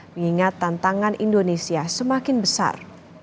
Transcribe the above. mengingat tantangan indonesia semakin besar